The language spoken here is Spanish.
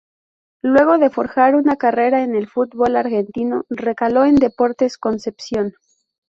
Luego de forjar una carrera en el fútbol argentino, recaló en Deportes Concepción.